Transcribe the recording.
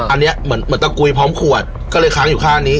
อันนี้เหมือนตะกุยพร้อมขวดก็เลยค้างอยู่ข้างนี้